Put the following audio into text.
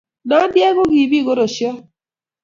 Nandiek ko ki biik koroshiot